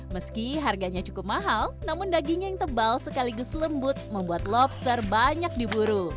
meski harganya cukup mahal namun dagingnya yang tebal sekaligus lembut membuat lobster banyak diburu